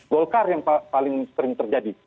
golkar yang paling sering terjadi